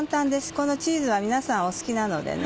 このチーズは皆さんお好きなのでね